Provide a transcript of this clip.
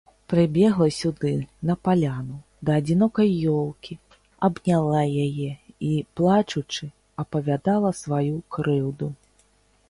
Прыбегла сюды, на паляну, да адзінокай ёлкі, абняла яе і, плачучы, апавядала сваю крыўду.